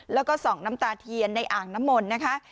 แล้วก็ส่องน้ำตาเทียนในอ่างน้ำมนต์นะคะ